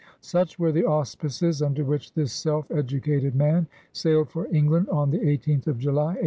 Such were the auspices under which this self edu cated man sailed for England on the 18th of July, 1849.